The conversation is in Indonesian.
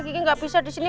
kiki gak bisa disini